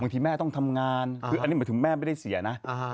ที่แม่ต้องทำงานคืออันนี้หมายถึงแม่ไม่ได้เสียนะ